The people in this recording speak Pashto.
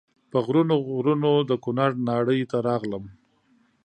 په غرونو غرونو د کونړ ناړۍ ته راغلم.